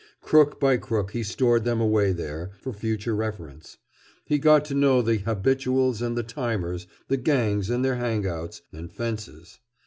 Crook by crook he stored them away there, for future reference. He got to know the "habituals" and the "timers," the "gangs" and their "hang outs" and "fences."